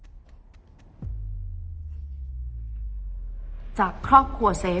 จนดิวไม่แน่ใจว่าความรักที่ดิวได้รักมันคืออะไร